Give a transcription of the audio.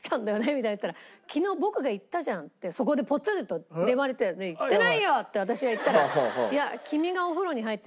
みたいに言ったら「昨日僕が言ったじゃん」ってそこでポツリと言われて「言ってないよ！」って私が言ったらいや「君がお風呂に入ってる時」